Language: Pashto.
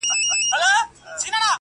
وايي د مُلا کتاب خاص د جنتونو باب؛